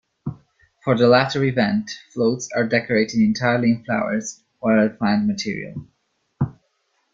For the latter event, floats are decorated entirely in flowers or other plant material.